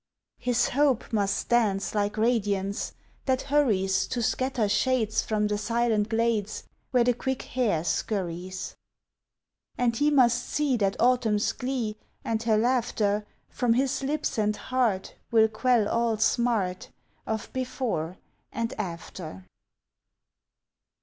His hope must dance like radiance That hurries To scatter shades from the silent glades Where the quick hare scurries. And he must see that Autumn's glee And her laughter From his lips and heart will quell all smart Of before and after!